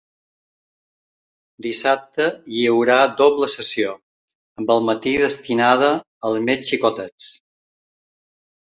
Dissabte hi haurà doble sessió, amb el matí destinada als més xicotets.